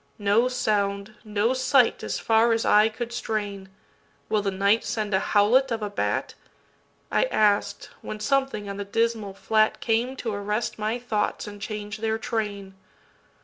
No sound, no sight as far as eye could strain. Will the night send a howlet of a bat?I asked: when something on the dismal flatCame to arrest my thoughts and change their train.